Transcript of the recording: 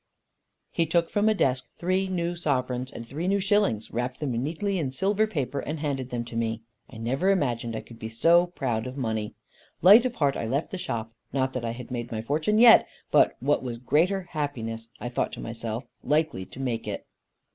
He took from a desk three new sovereigns and three new shillings, wrapped them neatly in silver paper, and handed them to me. I never imagined I could be so proud of money. Light of heart I left the shop, not that I had made my fortune yet, but what was greater happiness, I thought myself likely to make it.